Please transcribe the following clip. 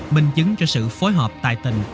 minh chứng cho sự phối hợp tài tình